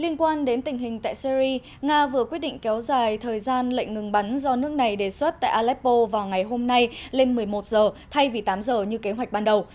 nga vừa quyết định kéo dài thời gian lệnh ngừng bắn do nước này đề xuất tại aleppo vào ngày hôm nay lên một mươi một giờ thay vì tám giờ như kế hoạch ban đầu